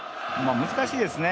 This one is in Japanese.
難しいですね